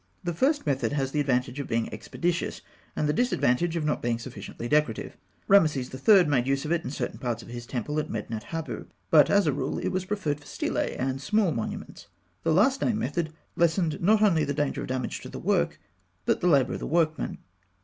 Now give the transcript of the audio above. The first method has the advantage of being expeditious, and the disadvantage of not being sufficiently decorative. Rameses III. made use of it in certain parts of his temple at Medinet Habû; but, as a rule, it was preferred for stelae and small monuments. The last named method lessened not only the danger of damage to the work, but the labour of the workman.